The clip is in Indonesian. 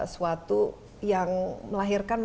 suatu yang melahirkan